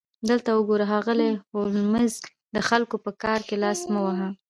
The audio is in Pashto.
دلته وګوره ښاغلی هولمز د خلکو په کار کې لاس مه وهه